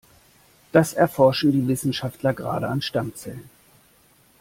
Das erforschen die Wissenschaftler gerade an Stammzellen.